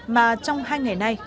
mà trong hai ngày nay